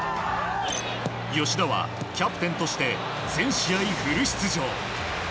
吉田は、キャプテンとして全試合フル出場。